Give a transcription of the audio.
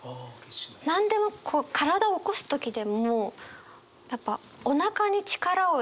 何でもこう体を起こす時でもやっぱおなかに力を入れるじゃないですか。